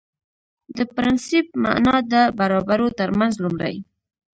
د پرنسېپ معنا ده برابرو ترمنځ لومړی